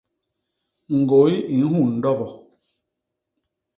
Ñgôy i nhun ndobo.